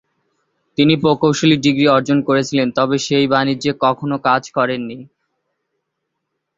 তিনি প্রকৌশলে ডিগ্রি অর্জন করেছিলেন তবে সেই বাণিজ্যে কখনও কাজ করেননি।